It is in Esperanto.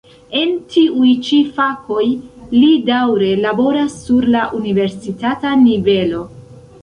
En tiuj ĉi fakoj li daŭre laboras sur la universitata nivelo.